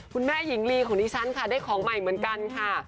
คุณแม่หญิงลีของดิฉันค่ะได้ของใหม่เหมือนกันค่ะ